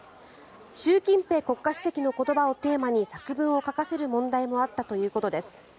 習近平国家主席の言葉をテーマに作文を書かせる問題もあったということです。